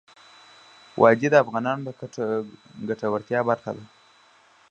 وادي د افغانانو د ګټورتیا برخه ده.